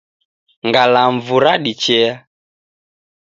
Ngalamvu radichea.